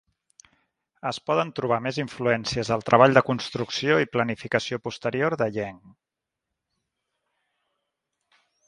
Es poden trobar més influències al treball de construcció i planificació posterior de Yeang.